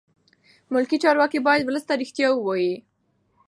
ملکي چارواکي باید ولس ته رښتیا ووایي.